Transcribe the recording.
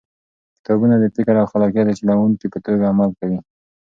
کتابونه د فکر او خلاقیت د چلوونکي په توګه عمل کوي.